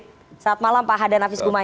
selamat malam pak hada nafis gumai